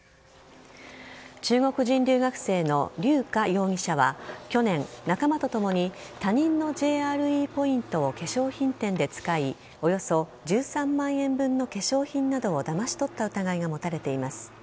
中国人留学生のリュウ・カ容疑者は去年、仲間とともに他人のＪＲＥポイントを化粧品店で使いおよそ１３万円分の化粧品などをだまし取った疑いが持たれています。